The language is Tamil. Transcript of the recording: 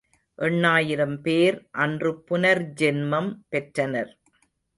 எண்ணாயிரம் பேர் அன்று புனர் ஜென்மம் பெற்றனர்.